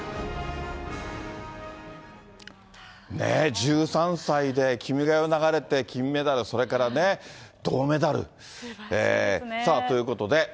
１３歳で君が代が流れて金メダル、それからね、銅メダル、ということで。